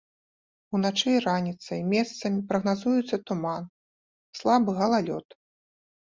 Уначы і раніцай месцамі прагназуецца туман, слабы галалёд.